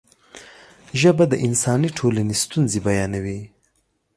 ژبه د انساني ټولنې ستونزې بیانوي.